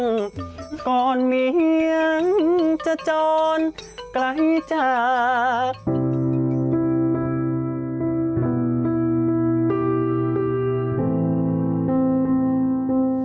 สุขซ้อนก่อนเหมียงจะจอนไกลจาก